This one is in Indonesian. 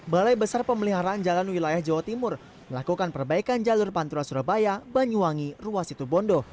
balai besar pemeliharaan jalan wilayah jawa timur melakukan perbaikan jalur pantura surabaya banyuwangi ruas situbondo